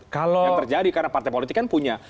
yang terjadi karena partai politik kan punya